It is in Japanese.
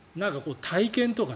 体験とか。